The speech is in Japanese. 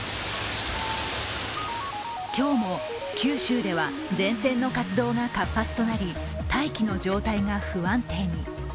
今日も九州では前線の活動が活発となり大気の状態が不安定に。